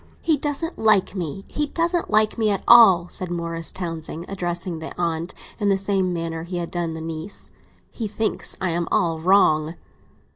"He doesn't like me—he doesn't like me at all," said Morris Townsend, addressing the aunt in the same manner as he had done the niece. "He thinks I'm all wrong."